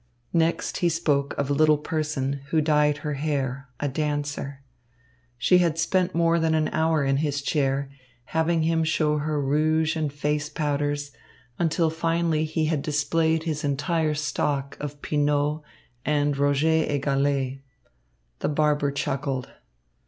Next he spoke of a little person, who dyed her hair, a dancer. She had spent more than an hour in his chair, having him show her rouge and face powders, until finally he had displayed his entire stock of Pinaud and Roger et Gallet. The barber chuckled.